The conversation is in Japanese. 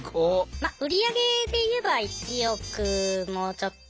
ま売り上げでいえば１億もうちょっと。